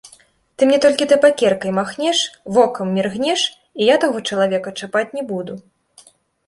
Ты мне толькі табакеркай махнеш, вокам міргнеш, і я таго чалавека чапаць не буду.